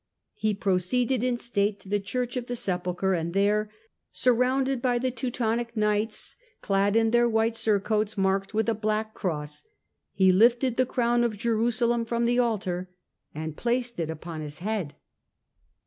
He proceeded in state to the Church of the Sepulchre and there, surrounded by the Teutonic Knights clad in their white surcoats marked with a black cross, he lifted the Crown of Jerusalem from the altar and placed it upon his head.